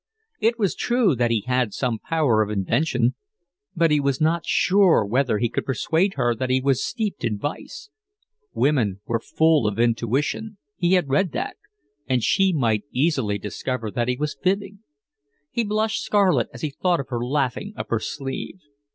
It was true that he had some power of invention, but he was not sure whether he could persuade her that he was steeped in vice; women were full of intuition, he had read that, and she might easily discover that he was fibbing. He blushed scarlet as he thought of her laughing up her sleeve.